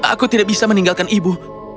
aku tidak bisa meninggalkan ibu